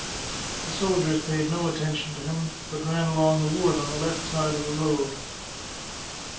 The soldiers paid no attention to him, but ran along the wood on the left side of the road.